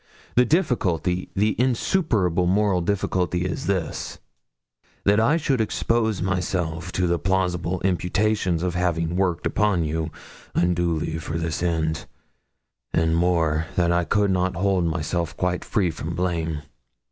The difficulty the insuperable moral difficulty is this that I should expose myself to the plausible imputation of having worked upon you, unduly, for this end; and more, that I could not hold myself quite free from blame.